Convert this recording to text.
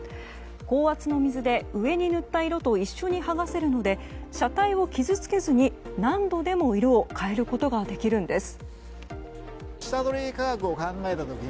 高圧の水で、上に塗った色と一緒に剥がせるので車体を傷つけずに何度でも色を変えることができるんです。